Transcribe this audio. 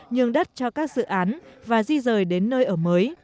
nhường đất cho các dự án và di rời đến nơi ở mới